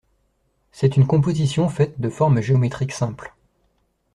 C'est une composition faite de formes géométriques simples.